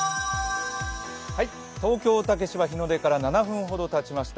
東京・竹芝、日の出から７分ほどたちました。